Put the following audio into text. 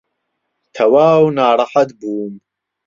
تەواو ناڕەحەت بووم.